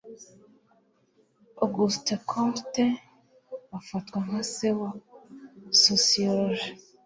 auguste comte afatwa nka se wa sociologie